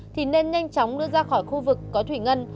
thì nên nhanh chóng đưa ra khỏi khu vực có thủy ngân